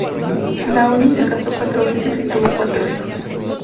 Downey se casó cuatro veces y tuvo cuatro hijos.